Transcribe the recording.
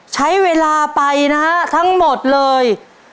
ใช้เวลาไปนะฮะทั้งหมดเลย